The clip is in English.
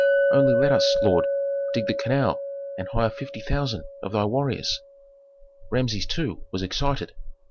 Only let us, lord, dig the canal, and hire fifty thousand of thy warriors." Rameses, too, was excited.